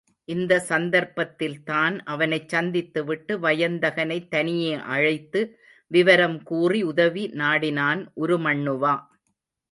இந்தச் சந்தர்ப்பத்தில்தான் அவனைச் சந்தித்துவிட்டு வயந்தகனைத் தனியே அழைத்து விவரம் கூறி உதவி நாடினான் உருமண்ணுவா.